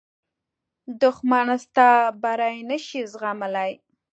دښمن ستا بری نه شي زغملی